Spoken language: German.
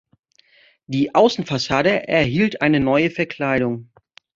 Die Außenfassade erhielt eine neue Verkleidung.